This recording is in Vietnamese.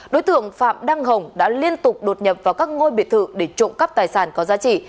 đối tượng phạm đăng hồng đã liên tục đột nhập vào các ngôi biệt thự để trộm cắp tài sản có giá trị